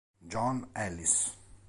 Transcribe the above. John Ellis